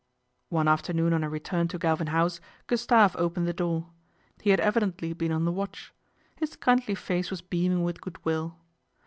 One afternoon on her return to Galvin House, Gustave opened the door. He had evidently been on the watch. His kindly face was beaming with goodwill.